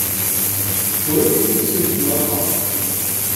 Ula tiftisin deg temnaḍt-a.